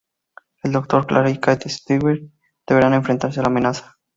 El Doctor, Clara y Kate Stewart deberán enfrentarse a la amenaza.